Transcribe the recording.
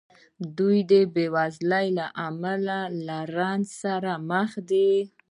دوی د بېوزلۍ له امله له رنځ سره مخ دي.